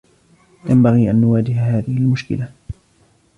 ينبغي أن نواجه هذة المشكلة.